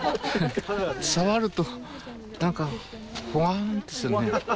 触ると何かホワンってするね。